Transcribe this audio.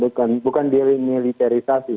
bukan bukan di demilitarisasi